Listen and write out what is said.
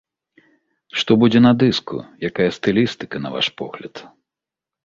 Што будзе на дыску, якая стылістыка, на ваш погляд?